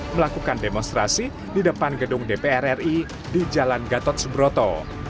melakukan demonstrasi di depan gedung dpr ri di jalan gatot subroto